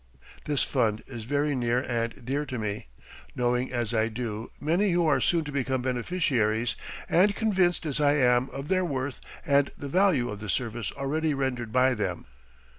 This fund is very near and dear to me knowing, as I do, many who are soon to become beneficiaries, and convinced as I am of their worth and the value of the service already rendered by them.